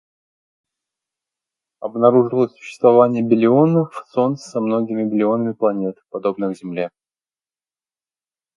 Обнаружилось существование биллионов солнц со многими биллионами планет, подобных Земле.